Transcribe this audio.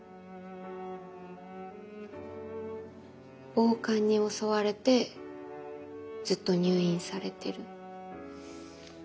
暴漢に襲われてずっと入院されてる？